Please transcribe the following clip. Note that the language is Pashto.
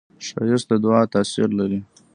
ښایست د دعاوو تاثیر لري